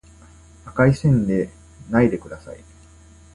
赤い線でないでください